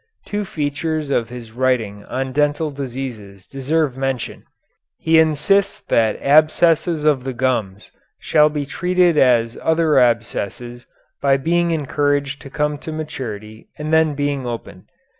Two features of his writing on dental diseases deserve mention. He insists that abscesses of the gums shall be treated as other abscesses by being encouraged to come to maturity and then being opened.